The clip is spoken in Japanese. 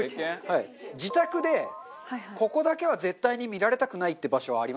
自宅でここだけは絶対に見られたくないって場所はありますか？